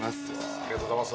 ありがとうございます。